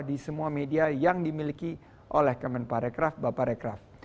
di semua media yang dimiliki oleh kemenparekraf bapakrekraf